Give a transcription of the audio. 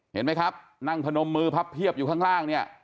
เห็นไหมครับนั่งพนมมือพับเพียบอยู่ข้างล่างเนี่ย